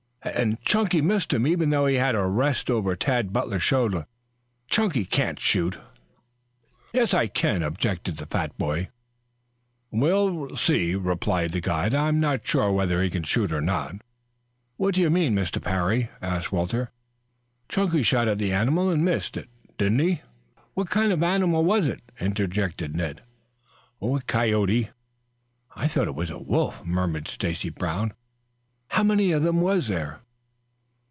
"And Chunky missed him, even though he had a rest over Tad Butler's shoulder. Chunky can't shoot." "Yes, I can, too," objected the fat boy. "We'll see," replied the guide. "I am not sure whether he can shoot or not." "What do you mean, Mr. Parry!" asked Walter. "Chunky shot at the animal and missed it, didn't he?" "What kind of an animal was it?" interjected Ned. "A coyote." "I thought it was a wolf," muttered Stacy Brown. "How many of them was there?"